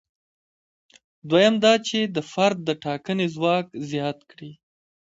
دویم دا چې د فرد د ټاکنې ځواک زیات کړي.